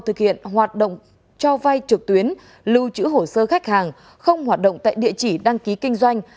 thực hiện hoạt động cho vay trực tuyến lưu trữ hồ sơ khách hàng không hoạt động tại địa chỉ đăng ký kinh doanh